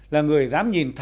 là người dám nhìn thật thà